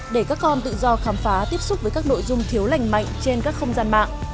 để các con tự do khám phá tiếp xúc với các nội dung thiếu lành mạnh trên các không gian mạng